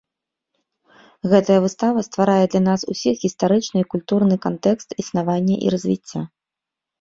Гэтая выстава стварае для нас усіх гістарычны і культурны кантэкст існавання і развіцця.